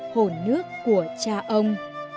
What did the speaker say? hồn nước của cha ông